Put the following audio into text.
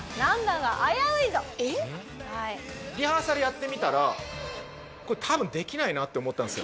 リハーサルやってみたらこれ多分できないなって思ったんですよ。